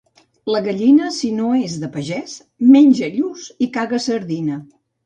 La gallina, si no és de pagès, menja lluç i caga sardina.